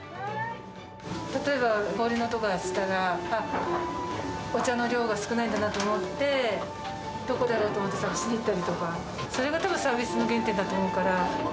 例えば、氷の音がしたら、あっ、お茶の量が少ないんだなと思って、どこだろうと思って、探しに行ったりとか、それがたぶんサービスの原点だと思うから。